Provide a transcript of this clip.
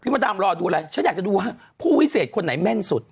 มดำรอดูอะไรฉันอยากจะดูว่าผู้วิเศษคนไหนแม่นสุด